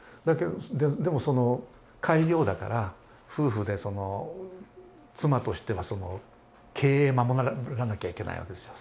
でもその開業だから夫婦でその妻としてはその経営守らなきゃいけないわけですよ。